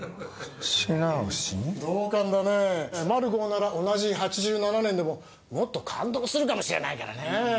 同感だね「マルゴー」なら同じ８７年でももっと感動するかもしれないからねぇ。